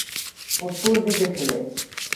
উত্তর দিকে ছিল।